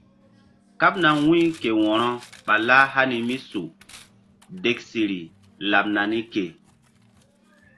Kaɓna wu̧y ke wo̧ro ɓa lah hani mí su deksiri laɓ nani ke.